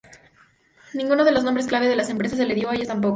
Ninguno de los nombres clave de las empresas se les dio a ellos tampoco.